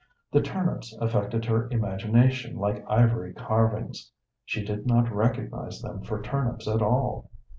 The turnips affected her imagination like ivory carvings: she did not recognize them for turnips at all.